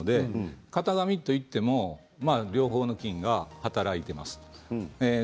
片がみといっても両方の筋が働いています。